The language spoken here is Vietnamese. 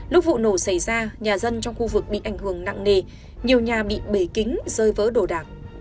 lúc vụ nổ xảy ra nhà dân trong khu vực bị ảnh hưởng nặng nề nhiều nhà bị bề kính rơi vỡ đồ đạc